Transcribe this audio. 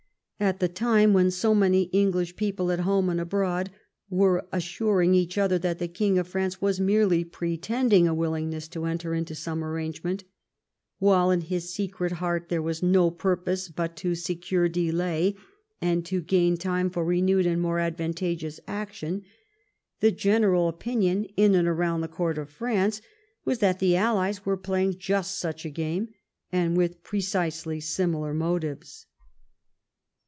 At the time when so many English people at home and abroad were assuring one another that the King of France was merely pretending a willingness to enter into some arrangement, while in his secret heart there was no purpose but to secure delay and to gain time for renewed and more advantageous action, the general opinion in and around the court of France was that the allies were playing just such a game and with pre cisely similar motives.